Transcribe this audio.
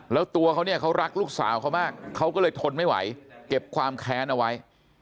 แล้วตัวเขาเนี่ยเขารักลูกสาวเขามากเขาก็เลยทนไม่ไหวเก็บความแค้นเอาไว้